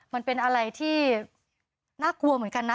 มันเป็นอะไรที่น่ากลัวเหมือนกันนะ